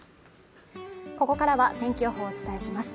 ここからは天気予報をお伝えします